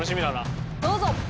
どうぞ！